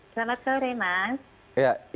selamat sore mas